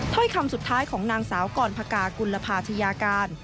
ถ้อยคำสุดท้ายของนางสาวกรพกากุลภาชยาการ